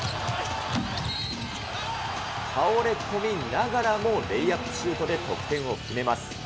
倒れ込みながらも、レイアップシュートで得点を決めます。